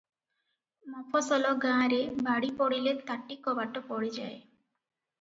ମଫସଲ ଗାଁ’ରେ ବାଡ଼ି ପଡ଼ିଲେ ତାଟି କବାଟ ପଡ଼ିଯାଏ ।